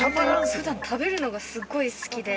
◆ふだん、食べるのがすごい好きで。